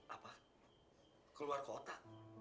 apa keluar kota